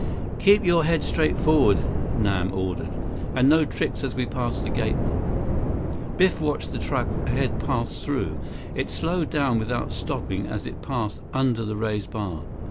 "Keep your head straight forward," Nam ordered. "And no tricks as we pass the gateman." Biff watched the truck ahead pass through. It slowed down without stopping as it passed under the raised bar.